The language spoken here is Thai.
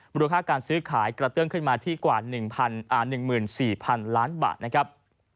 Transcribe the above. มูลค่าการซื้อขายกระเตื้องขึ้นมาที่กว่า๑๔๐๐๐ล้านบาทนะครับ